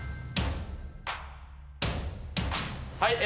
はい。